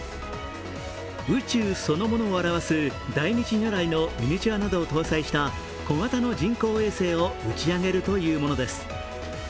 宇宙そのものを表す大日如来のミニチュアなどを搭載した小型の人工衛星を打ち上げるというものです。